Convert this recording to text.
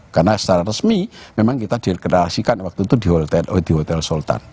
karena secara resmi memang kita deklarasikan waktu itu di hotel sultan